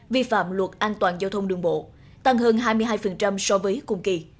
vi phạm luật an toàn giao thông đường bộ tăng hơn hai mươi hai so với cùng kỳ